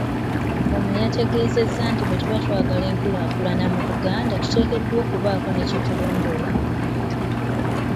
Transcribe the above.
Ono yategeezezza nti bwetuba twagala enkulaakulana mu Buganda tuteekeddwa okubaako kye tulondoola ku muntu.